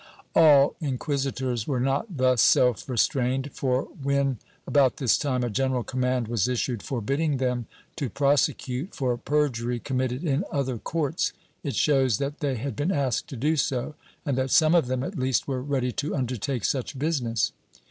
^ All inquisitors were not thus self restrained, for when, about this time, a general command was issued forbidding them to prosecute for perjury committed in other courts, it shows that they had been asked to do so and that some of them, at least, were ready to undertake such business.